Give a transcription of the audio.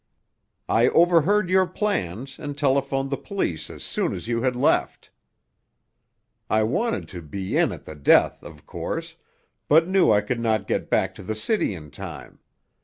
I overheard your plans and telephoned the police as soon as you had left. "I wanted to be in at the death, of course, but knew I could not get back to the city in time.